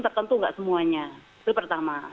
tertentu tidak semuanya